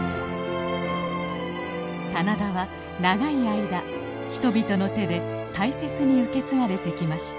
棚田は長い間人々の手で大切に受け継がれてきました。